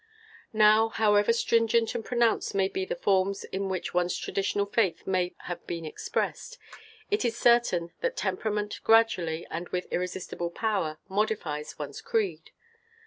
Now, however stringent and pronounced may be the forms in which one's traditional faith may have been expressed, it is certain that temperament gradually, and with irresistible power, modifies one's creed.